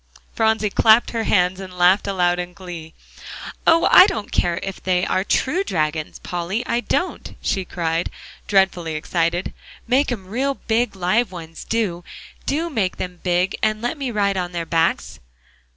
Phronsie clapped her hands and laughed aloud in glee. "Oh! I don't care if they are true dragons, Polly, I don't," she cried, dreadfully excited. "Make 'em real big live ones, do; do make them big, and let me ride on their backs."